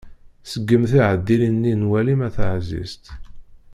Seggem tiɛdilin-nni n walim a taɛzizt.